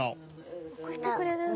起こしてくれるんだ。